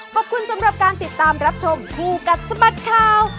ขอบคุณสำหรับการติดตามรับชมคู่กัดสะบัดข่าว